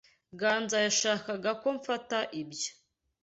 Ganzaa yashakaga ko mfata ibyo.